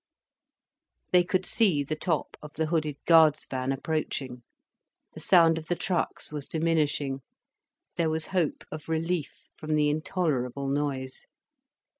They could see the top of the hooded guard's van approaching, the sound of the trucks was diminishing, there was hope of relief from the intolerable noise.